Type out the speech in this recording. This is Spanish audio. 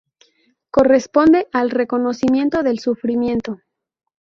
Corresponde al reconocimiento del sufrimiento.